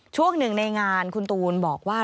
ช่วงหนึ่งในงานคุณตูนบอกว่า